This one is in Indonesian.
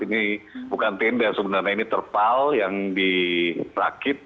ini bukan tenda sebenarnya ini terpal yang dirakit